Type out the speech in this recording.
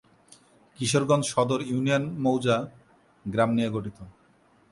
কিশোরগঞ্জ সদর ইউনিয়ন মৌজা/গ্রাম নিয়ে গঠিত।